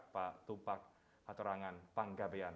pak tupak hatorangan panggabean